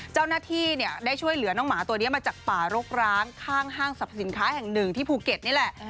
เจ้าหน้าที่ได้ช่วยเหลือน้องหมาตัวนี้มาจากป่ารกร้างข้างห้างสรรพสินค้าแห่งหนึ่งที่ภูเก็ตนี่แหละ